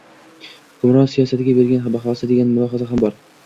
hukmron siyosatiga bergan bahosi degan mulohaza ham bor.